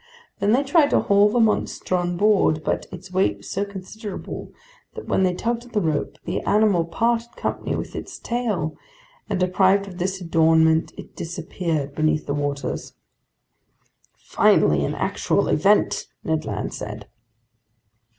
Then they tried to haul the monster on board, but its weight was so considerable that when they tugged on the rope, the animal parted company with its tail; and deprived of this adornment, it disappeared beneath the waters." "Finally, an actual event," Ned Land said.